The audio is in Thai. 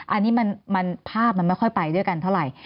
อันนี้ภาพมันไม่ค่อยไปด้วยกันเท่าไหร่